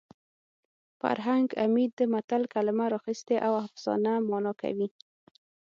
فرهنګ عمید د متل کلمه راخیستې او افسانه مانا کوي